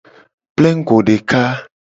Plengugo deka.